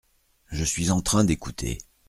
Je suis en train d’écouter.